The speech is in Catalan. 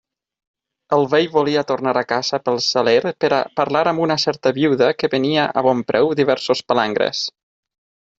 El vell volia tornar a casa pel Saler per a parlar amb una certa viuda que venia a bon preu diversos palangres.